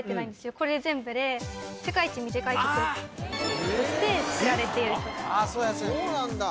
これ全部で世界一短い曲として知られている曲そうなんだ！